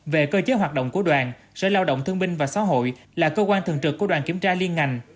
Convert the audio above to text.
về cơ chế hoạt động của đoàn sở lao động thương binh và xã hội là cơ quan thường trực của đoàn kiểm tra liên ngành